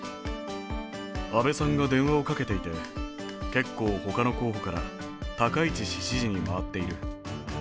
安倍さんが電話をかけていて、結構ほかの候補から高市氏支持に回っている。